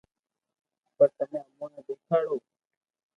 پر تمي امو ني ديکاڙو